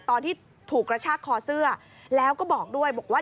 ตอนที่ถูกกระชากคอเสื้อแล้วก็บอกด้วยบอกว่า